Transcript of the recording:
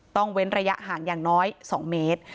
เว้นระยะห่างอย่างน้อย๒เมตร